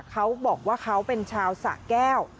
เขาบอกว่าเขาเป็นชาวสะแก้ว